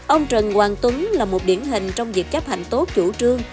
ông trần hoàng tuấn là một điển hình trong việc chấp hành tốt chủ trương